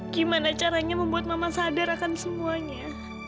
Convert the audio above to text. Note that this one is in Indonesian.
gimana caranya membuat mama sadar akan semuanya